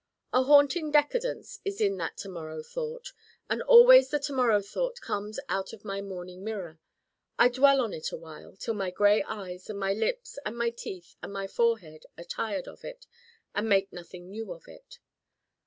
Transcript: A haunting decadence is in that To morrow thought. And always the To morrow thought comes out of my morning mirror. I dwell on it awhile, till my gray eyes and my lips and my teeth and my forehead are tired of it, and make nothing new of it.